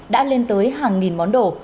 đã lên tới hàng nghìn món đồ